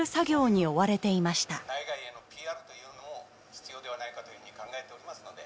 「内外へのＰＲというのも必要ではないかというふうに考えておりますので」